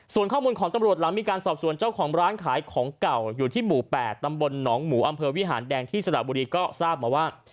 ส่วนข้อมูลของตำรวจหลังมีการสอบส่วนเจ้าของร้านขายของเก่าอยู่ที่หมู่๘ตำบลหนองหมูอำเภอวิหารแดงที่สระบุรีก็ทราบมาว่า